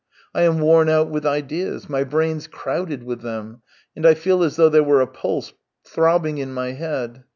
I am worn out with ideas — my brain's crowded with them, and 1 feel as though there were a pulse throbbing in my head.